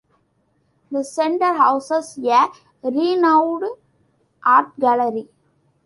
The Centre houses a renowned art gallery.